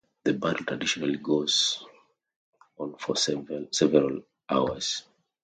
The battle traditionally goes on for several hours.